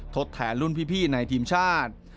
ทดแทนรุ่นพี่ในทีมชาติ